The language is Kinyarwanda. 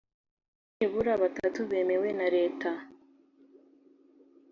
nibura batatu bemewe na Leta